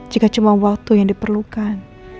jika cuma waktu yang diperlukan